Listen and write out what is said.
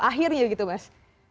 akhirnya gitu mas